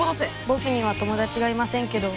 僕には友達がいませんけど